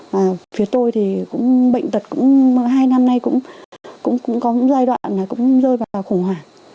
và phía tôi thì bệnh tật cũng hai năm nay cũng có những giai đoạn là cũng rơi vào khủng hoảng